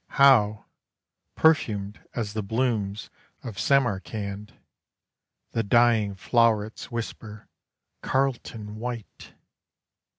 How perfumed as the blooms of Samarcand The dying flow'rets whisper, "Carlton White!"